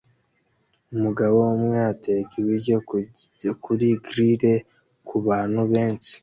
Umugabo umwe ateka ibiryo kuri grill kubantu benshi